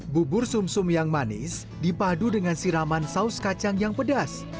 bubur sum sum yang manis dipadu dengan siraman saus kacang yang pedas